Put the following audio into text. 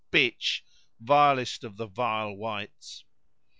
bitch! vilest of the vile whites!"